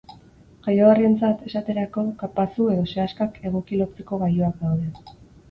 Jaioberrientzat, esaterako, kapazu edo sehaskak egoki lotzeko gailuak daude.